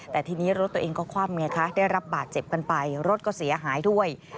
แต่ทีนี้รถตัวเองก็คว่ำไงคะได้รับบาดเจ็บกันไปรถก็เสียหายด้วย